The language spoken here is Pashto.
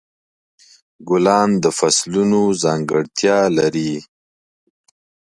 ګلان د فصلونو ځانګړتیا لري.